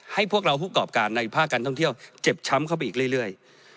พวกเราผู้กรอบการในภาคการท่องเที่ยวเจ็บช้ำเข้าไปอีกเรื่อย